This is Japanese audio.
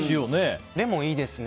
レモンいいですね。